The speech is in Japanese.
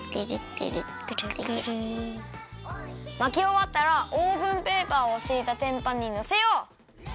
まきおわったらオーブンペーパーをしいたてんぱんにのせよう。